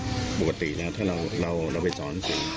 อยู่กับเด็กอ่ะปกตินะถ้าเราเราเราไปสอน